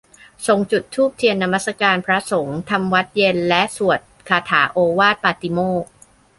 ทรงจุดธูปเทียนนมัสการ พระสงฆ์ทำวัตรเย็นและสวดคาถาโอวาทปาติโมกข์